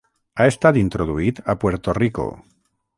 Ha estat introduït a Puerto Rico.